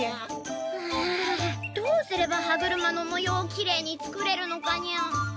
うんどうすれば歯車の模様をきれいに作れるのかにゃ。